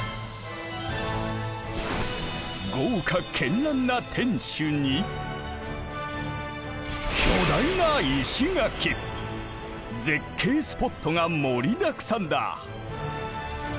豪華絢爛な天守に絶景スポットが盛りだくさんだ。